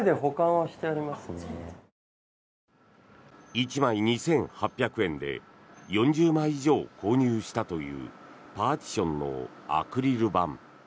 １枚２８００円で４０枚以上購入したというパーティションのアクリル板。